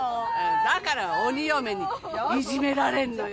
だから鬼嫁にいじめられんのよ。